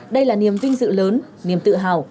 đây là niềm vinh dự lớn niềm tự hào